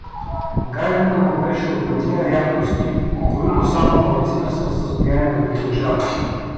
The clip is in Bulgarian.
Гайдата му беше от ония рядкости, които само малцина са в състояние да притежават.